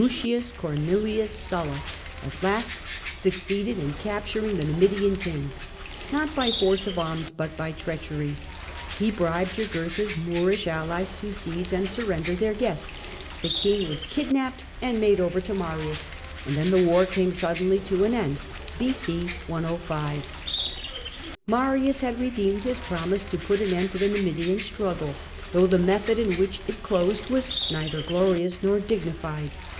Cornelius Sulla, at last succeeded in capturing the Numidian king, not by force of arms, but by treachery* He bribed Jugurtha's Moorish allies to seize and sur MARIUS AND THE CIMBRI 95 render their guest; the king was kidnapped and made over to Marius, and then the war came suddenly to an end [b,0. 105], Marius had redeemed his promise to put an end to the Numidian struggle, though the method in which it closed was neither glorious nor dignified.